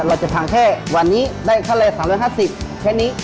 เราจะพังแค่วันนี้ได้ค่าแรง๓๕๐แค่นี้